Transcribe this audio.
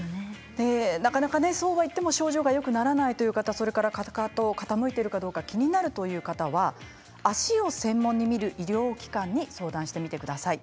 なかなかそうはいっても症状がよくならないという方かかとが傾いているかどうか気になる方は足を専門に診る医療機関に相談してみてください。